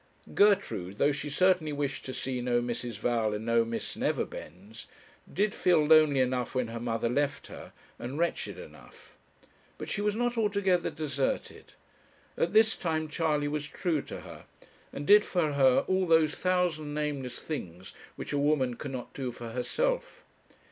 Gertrude, though she certainly wished to see no Mrs. Val and no Miss Neverbends, did feel lonely enough when her mother left her, and wretched enough. But she was not altogether deserted. At this time Charley was true to her, and did for her all those thousand nameless things which a woman cannot do for herself.